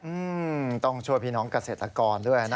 อืมต้องช่วยพี่น้องเกษตรกรด้วยนะ